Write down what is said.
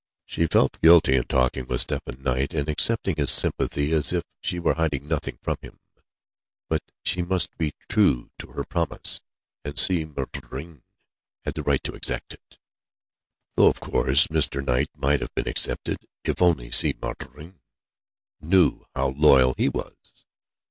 She felt guilty in talking with Stephen Knight, and accepting his sympathy as if she were hiding nothing from him; but she must be true to her promise, and Si Maïeddine had the right to exact it, though of course Mr. Knight might have been excepted, if only Si Maïeddine knew how loyal he was.